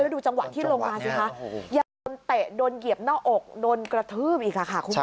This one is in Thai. ดูจังหวะที่ลงมาสิคะยังโดนเตะโดนเหยียบหน้าอกโดนกระทืบอีกค่ะคุณผู้ชม